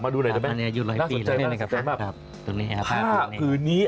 ผ้าคืนนี้